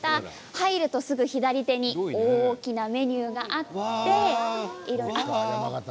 入るとすぐ左手に大きなメニューがあって。